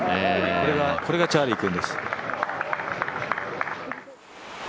これがチャーリー君です。